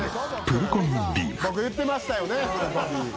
僕言ってましたよねプルコギ。